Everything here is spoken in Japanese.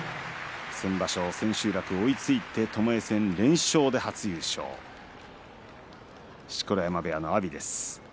先場所千秋楽追いついてともえ戦連勝で初優勝、錣山部屋の阿炎です。